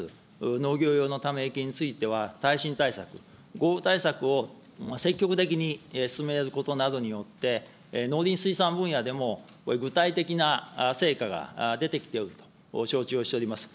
農業用のため池については、耐震対策、豪雨対策を積極的に進めることなどによって、農林水産分野でも具体的な成果が出てきておると承知をしております。